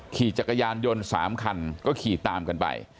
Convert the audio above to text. ขี่จักรยานยนต์๓คันก็ขี่ตามกันไป